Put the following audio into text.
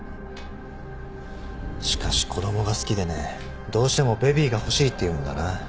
しかし子供が好きでねどうしてもベビーが欲しいって言うんだな。